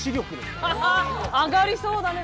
上がりそうだね